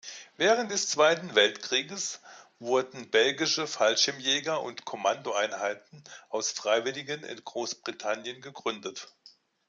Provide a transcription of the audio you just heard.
Während des Zweiten Weltkrieges wurden belgische Fallschirmjäger und Kommando-Einheiten aus Freiwilligen in Großbritannien gegründet.